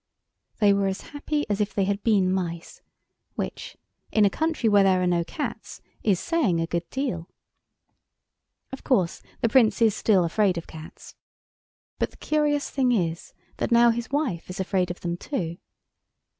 They were as happy as if they had been mice—which, in a country where there are no cats, is saying a good deal. Of course the Prince is still afraid of cats. But the curious thing is that now his wife is afraid of them too.